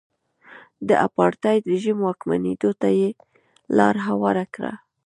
د اپارټاید رژیم واکمنېدو ته یې لار هواره کړه.